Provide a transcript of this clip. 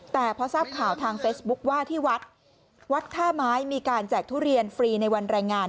แต่พอทราบข่าวทางเฟซบุ๊คว่าที่วัดวัดท่าไม้มีการแจกทุเรียนฟรีในวันแรงงาน